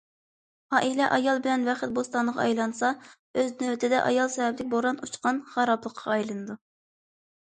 ئائىلە ئايال بىلەن بەخت بوستانىغا ئايلانسا، ئۆز نۆۋىتىدە ئايال سەۋەبلىك بوران ئۇچقان خارابلىققا ئايلىنىدۇ.